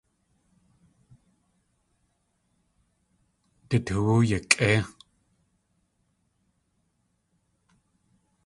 Du toowú yakʼéi.